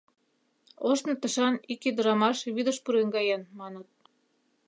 Ожно тышан ик ӱдырамаш вӱдыш пуреҥгаен, маныт...